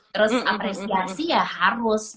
terus apresiasi ya harus